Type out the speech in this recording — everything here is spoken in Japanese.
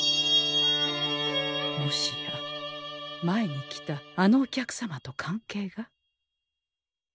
もしや前に来たあのお客様と関係が？